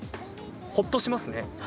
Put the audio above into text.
ほっとしますね。